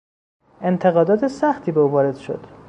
انتقادات سختی به او وارد شد.